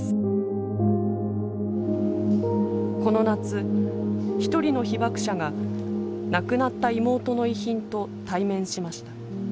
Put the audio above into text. この夏一人の被爆者が亡くなった妹の遺品と対面しました。